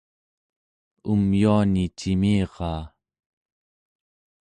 umyuani cimiraa